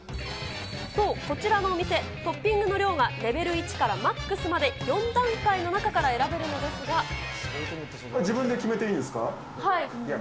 そう、こちらのお店、トッピングの量がレベル１からマックスまで４段階の中から選べるのですこれ、自分で決めていいですか？